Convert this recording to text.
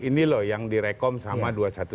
ini loh yang direkom sama dua ratus dua belas